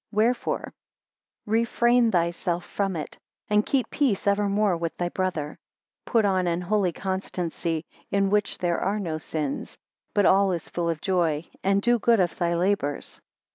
Wherefore refrain thyself from it, and keep peace ever more with thy brother. 5 Put on an holy constancy, in which there are no sins, but all is full of joy; and do good of thy labours.